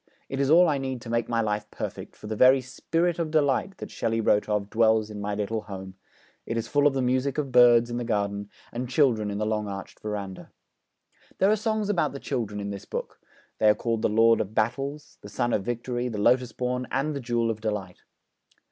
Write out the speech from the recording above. It is all I need to make my life perfect, for the very "Spirit of Delight" that Shelley wrote of dwells in my little home; it is full of the music of birds in the garden and children in the long arched verandah.' There are songs about the children in this book; they are called the Lord of Battles, the Sun of Victory, the Lotus born, and the Jewel of Delight.